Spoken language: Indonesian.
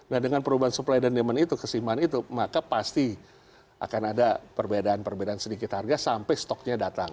nah dengan perubahan supply dan demand itu keseimbangan itu maka pasti akan ada perbedaan perbedaan sedikit harga sampai stoknya datang